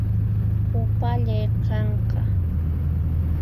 Upallay qanqa